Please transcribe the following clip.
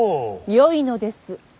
よいのです。